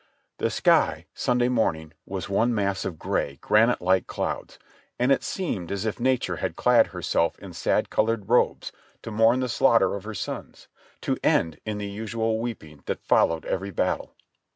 The sky Sunday morning was one mass of gray, granite like clouds, and it seemed as if Nature had clad herself in sad colored robes to mourn for the slaughter of her sons, to end in the usual weeping that followed every battle.